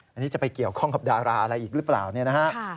อันนี้จะไปเกี่ยวข้องกับดาราอะไรอีกหรือเปล่าเนี่ยนะฮะ